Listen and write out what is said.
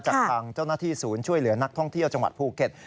จากทางเจ้าหน้าที่ศูนย์ช่วยเหลือนักท่องเที่ยวจังหวัดภูเก็ต